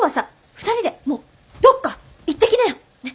２人でもうどっか行ってきなよ！ね。